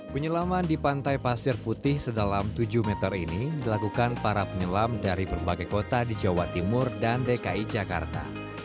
penyelaman di pantai pasir putih sedalam tujuh meter ini dilakukan para penyelam dari berbagai kota di jawa timur dan dki jakarta